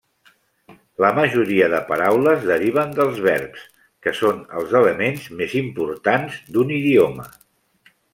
La majoria de paraules deriven dels verbs, que són els elements més importants d'un idioma.